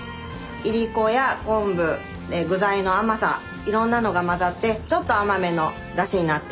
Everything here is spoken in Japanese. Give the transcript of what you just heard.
いりこや昆布具材の甘さいろんなのが混ざってちょっと甘めのだしになっています。